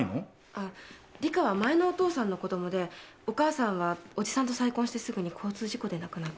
あっリカは前のお父さんの子供でお母さんはおじさんと再婚してすぐに交通事故で亡くなって。